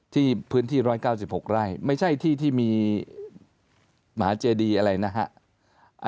ที่พื้นที่๑๙๖ไร่ไม่ใช่ที่ที่มีหมาเจดีอะไรนะฮะ